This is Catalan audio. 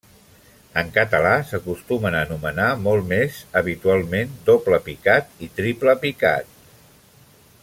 En català s'acostumen a anomenar molt més habitualment doble picat i triple picat.